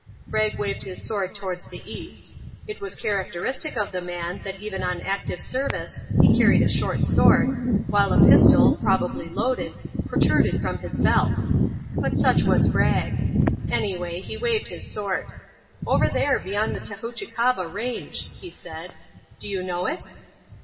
Bragg waved his sword towards the east. It was characteristic of the man that even on active service he carried a short sword, while a pistol, probably loaded, protruded from his belt. But such was Bragg. Anyway, he waved his sword. "Over there beyond the Tahoochicaba range," he said. "Do you know it?"